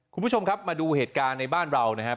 คุณผู้ชมครับมาดูเหตุการณ์ในบ้านเรานะฮะ